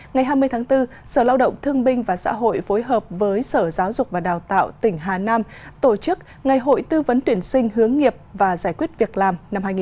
ngày hai mươi tháng bốn sở lao động thương binh và xã hội phối hợp với sở giáo dục và đào tạo tỉnh hà nam tổ chức ngày hội tư vấn tuyển sinh hướng nghiệp và giải quyết việc làm